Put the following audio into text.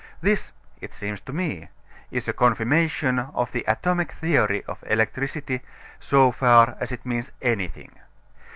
This, it seems to me, is a confirmation of the atomic theory of electricity so far as it means anything.